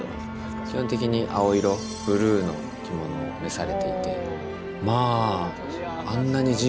基本的に青色、ブルーの着物を召されていて。